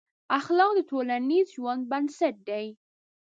اخلاق د ټولنیز ژوند بنسټ دی.